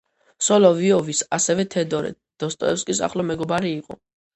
სოლოვიოვი ასევე თედორე დოსტოევსკის ახლო მეგობარი იყო.